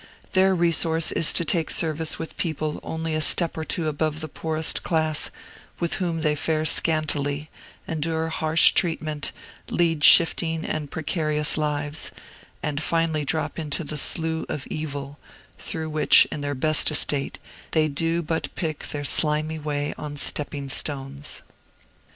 Their resource is to take service with people only a step or two above the poorest class, with whom they fare scantily, endure harsh treatment, lead shifting and precarious lives, and finally drop into the slough of evil, through which, in their best estate, they do but pick their slimy way on stepping stones.